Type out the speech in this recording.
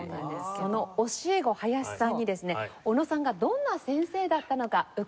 その教え子林さんにですね小野さんがどんな先生だったのか伺ってきました。